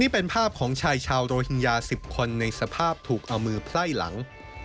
เป็นภาพของชายชาวโรฮิงญา๑๐คนในสภาพถูกเอามือไพ่หลัง